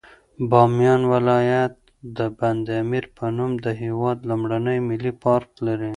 بامیان ولایت د بند امیر په نوم د هېواد لومړنی ملي پارک لري.